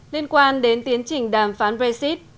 nên quan đến tiến trình đàm phán brexit